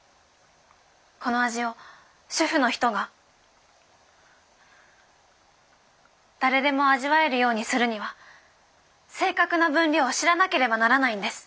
この味を主婦の人が誰でも味わえるようにするには正確な分量を知らなければならないんです。